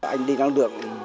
anh đi nắng đường